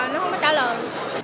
nó không có trả lời